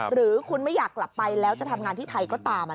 หรือคุณไม่อยากกลับไปแล้วจะทำงานที่ไทยก็ตาม